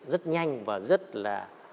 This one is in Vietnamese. rất nhanh và rất là